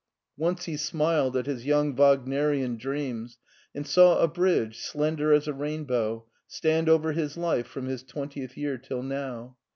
Once he smiled at his young Wagnerian dreams and saw a bridge, slender as a rainbow, stand over his life from his twentieth year till now.